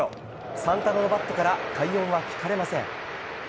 サンタナを奪ってから快音は聞かれません。